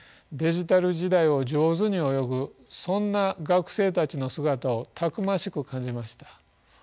デジタル時代を上手に泳ぐそんな学生たちの姿をたくましく感じました。